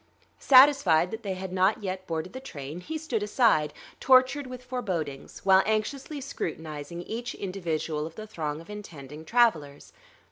Satisfied that they had not yet boarded the train, he stood aside, tortured with forebodings, while anxiously scrutinizing each individual of the throng of intending travelers....